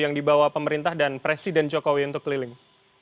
yang dibawa pemerintah dan presiden jokowi untuk keliling